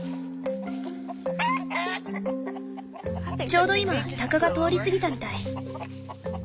ちょうど今タカが通り過ぎたみたい。